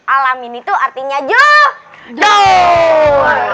al amin itu artinya jodoh